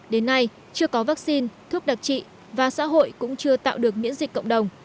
đến nay chưa có vaccine thuốc đặc trị và xã hội cũng chưa tạo được miễn dịch cộng đồng